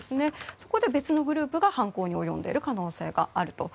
そこで別のグループが犯行に及んでいる可能性があると。